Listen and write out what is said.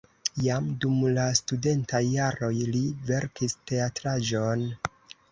Jam dum la studentaj jaroj li verkis teatraĵon.